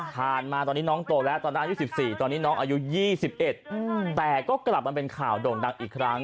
มาตอนนี้น้องโตแล้วตอนนั้นอายุ๑๔ตอนนี้น้องอายุ๒๑แต่ก็กลับมาเป็นข่าวโด่งดังอีกครั้ง